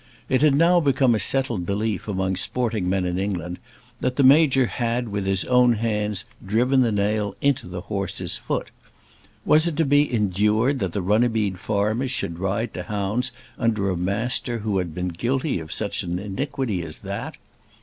It had now become a settled belief among sporting men in England that the Major had with his own hands driven the nail into the horse's foot. Was it to be endured that the Runnymede farmers should ride to hounds under a Master who had been guilty of such an iniquity as that?